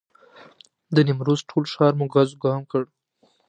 د نیمروز ټول ښار مو ګز وګام کړ.